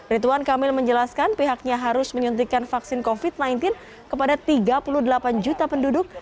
rituan kamil menjelaskan pihaknya harus menyuntikkan vaksin covid sembilan belas kepada tiga puluh delapan juta penduduk